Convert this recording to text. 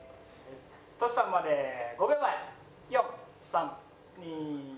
トシさんまで５秒前４３２。